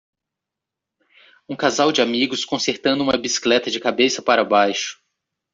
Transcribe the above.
Um casal de amigos consertando uma bicicleta de cabeça para baixo.